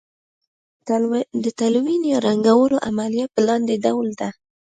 د تلوین یا رنګولو عملیه په لاندې ډول ده.